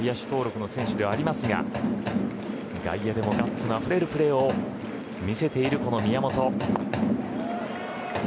本来は内野手登録の選手ではありますが外野でもガッツあふれるプレーを見せているこの宮本。